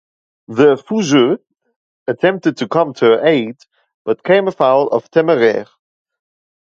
The "Fougueux" attempted to come to her aid but came afoul of "Temeraire".